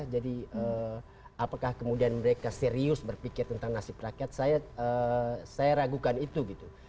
jadi apakah kemudian mereka serius berpikir tentang nasib rakyat saya ragukan itu